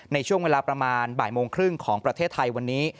ในช่วงเวลาประมาณบ่ายโมงครึ่งของประเทศไทยวันนี้